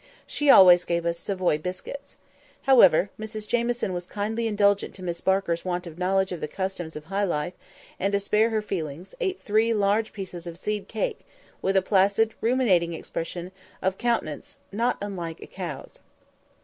She always gave us Savoy biscuits. However, Mrs Jamieson was kindly indulgent to Miss Barker's want of knowledge of the customs of high life; and, to spare her feelings, ate three large pieces of seed cake, with a placid, ruminating expression of countenance, not unlike a cow's.